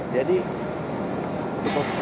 jadi cukup tenang